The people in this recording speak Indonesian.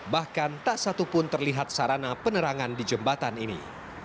bahkan tak satupun terlihat sarana penerangan di jembatan ini